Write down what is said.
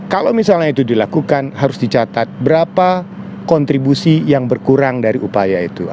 kalau misalnya itu dilakukan harus dicatat berapa kontribusi yang berkurang dari upaya itu